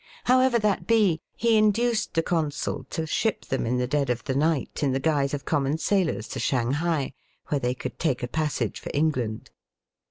However that be, he induced the consul to ship them in the dead of the night in the guise of common sailors to Shanghai, where they could take a passage for England.